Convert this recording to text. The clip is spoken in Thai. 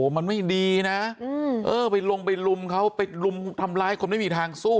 มันไม่ดีนะเออไปลงไปลุมเขาไปลุมทำร้ายคนไม่มีทางสู้